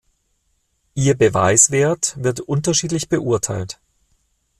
Ihr Beweiswert wird unterschiedlich beurteilt.